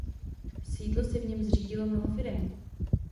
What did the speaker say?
Sídlo si v něm zřídilo mnoho firem.